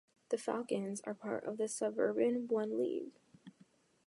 The Falcons are part of the Suburban One League.